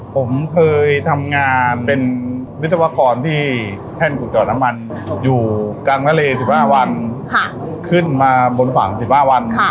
ผมเคยทำงานเป็นวิศวกรที่แท่นขุดจอดน้ำมันอยู่กลางทะเล๑๕วันขึ้นมาบนฝั่ง๑๕วัน